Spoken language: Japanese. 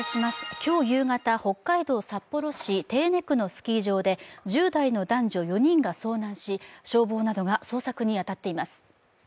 今日夕方、北海道札幌市手稲区のスキー場で１０代の男女４人が遭難し消防などが捜索に当たっています。